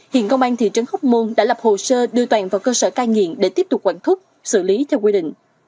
hiện công an thị trấn hốc môn đã lập hồ sơ đưa toàn vào cơ sở cai nghiện để tiếp tục quản thúc xử lý theo quy định